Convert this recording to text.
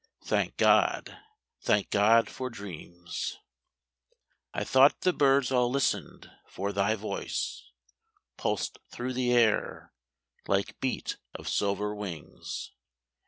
Thank God, thank God for dreams! I thought the birds all listened; for thy voice Pulsed through the air, like beat of silver wings.